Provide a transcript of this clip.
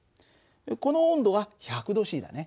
この温度が１００℃だね。